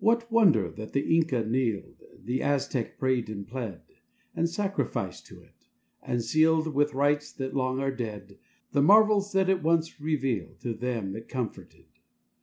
What wonder that the Inca kneeled, The Aztec prayed and pled And sacrificed to it, and sealed, With rites that long are dead, The marvels that it once revealed To them it comforted.